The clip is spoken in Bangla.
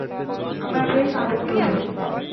আমরা বেশ আবেগপ্রবণ।